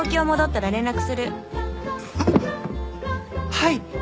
はい！